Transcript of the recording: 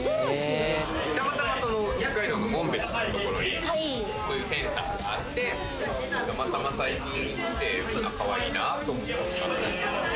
たまたま北海道の紋別っていうところにそういうセンターがあって、たまたま最近行って、かわいいなと思って。